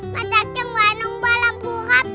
มาจากจังหวัดน้องบาลำพูครับ